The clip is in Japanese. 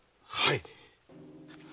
はい！